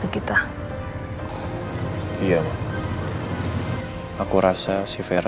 tetapi kamu sudah semua the the deka